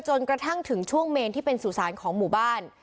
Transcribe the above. จนกระทั่งถึงช่วงเมนที่เป็นสุสานของหมู่บ้าน